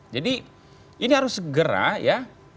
jadi ini harus segera ya